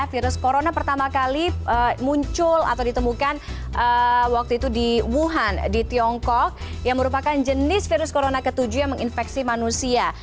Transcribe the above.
virus corona pertama kali muncul atau ditemukan waktu itu di wuhan di tiongkok yang merupakan jenis virus corona ke tujuh yang menginfeksi manusia